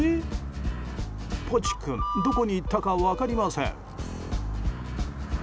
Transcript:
ポチ君どこに行ったか分かりません。